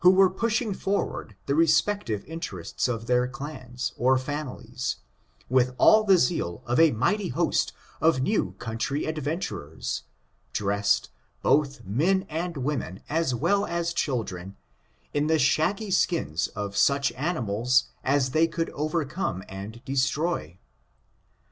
89 "were pushing forward the respective interests of their clans, or families, with all the zeal of a mighty host of new comitry adventurers, dressed, both men and women, as well as children, in the shaggy skins of such animals as they could overcome and destroy.